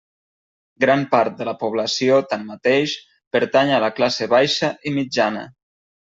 Gran part de la població tanmateix pertany a la classe baixa i mitjana.